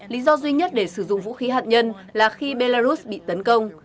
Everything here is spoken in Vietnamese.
lý do duy nhất để sử dụng vũ khí hạt nhân là khi belarus bị tấn công